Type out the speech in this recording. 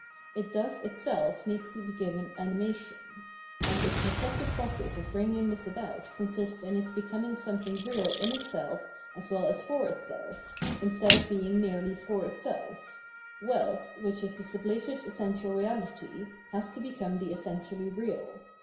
It thus itself needs to be given animation ; and its reflective process of bringing this about consists in its becoming some thing real in itself as well as for itself, instead of being merely for itself ; wealth, which is the sublated essential reahty, has to become the essentially real.